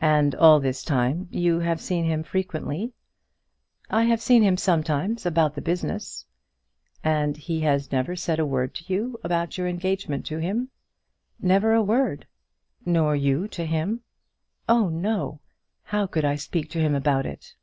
"And all this time you have seen him frequently?" "I have seen him sometimes about the business." "And he has never said a word to you about your engagement to him?" "Never a word." "Nor you to him?" "Oh, no! how could I speak to him about it?"